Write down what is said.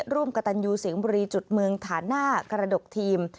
ร่วมกระตันยูเสียงบุรีจุดเมืองฐานหน้ากระดกทีม